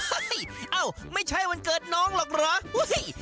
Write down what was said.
เอ้าไม่ใช่วันเกิดน้องหรอกเหรอ